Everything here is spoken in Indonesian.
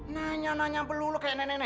nanya nanya belulu kayak nenek nenek kamu